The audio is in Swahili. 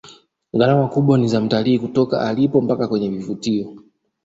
gharama kubwa ni za mtalii kutoka alipo mpaka kwenye vivutio